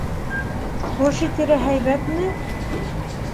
Күрше-тирә һәйбәтме?